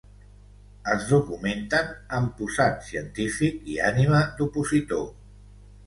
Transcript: Es documenten amb posat científic i ànima d'opositor.